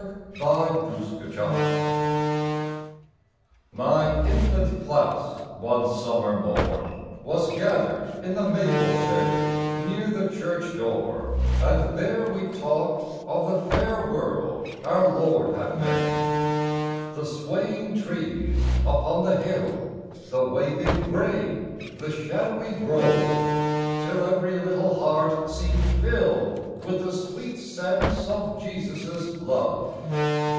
LOSING VICTORIES My 'Infant Class' one summer morn, Was gathered in the maple shade Near the church door, and there we talked Of the fair world our Lord had made The swaying trees upon the hill, The waving grain, the shadowy grove Till every little heart seemed filled With the sweet sense of Jesus' love.